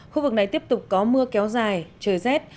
khu vực này tiếp tục có mưa kéo dài trời rét